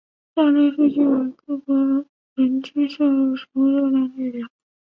以下数据为各国人均摄入食物热量列表。